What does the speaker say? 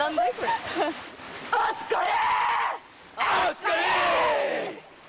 お疲れ！